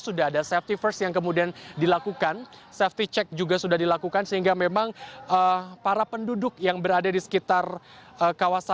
sudah ada safety first yang kemudian dilakukan safety check juga sudah dilakukan sehingga memang para penduduk yang berada di sekitar kawasan